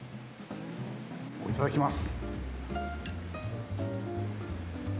いただきます。